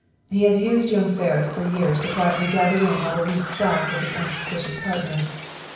"He has used young Ferris for years to quietly gather in all the loose stock of his unsuspicious partners.